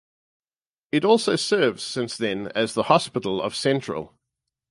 It also serves since then as the hospital of Central.